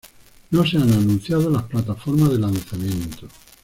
No se han anunciado las plataformas de lanzamiento.